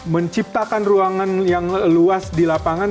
menciptakan ruangan yang luas di lapangan